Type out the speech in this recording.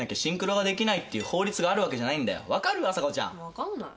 分かんない。